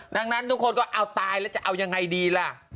ดังนั้นทุกคนก็เอาตายแล้วจะเอายังไงดีล่ะ